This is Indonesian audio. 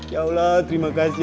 ya allah terima kasih